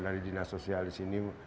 dari dinas sosial di sini